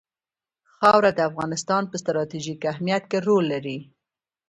خاوره د افغانستان په ستراتیژیک اهمیت کې رول لري.